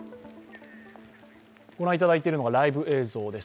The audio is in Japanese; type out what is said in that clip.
ご覧いただいているのがライブ映像です。